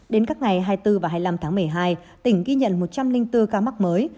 đến các ngày hai mươi bốn và hai mươi năm tháng một mươi hai tỉnh ghi nhận một trăm linh bốn ca mắc mới